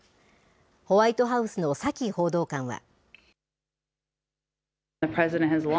ホワイトハウスのサキ報道官は。